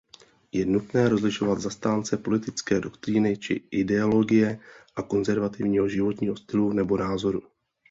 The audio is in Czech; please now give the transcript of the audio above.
Je nutné rozlišovat zastánce politické doktríny či ideologie a konzervativního životního stylu nebo názorů.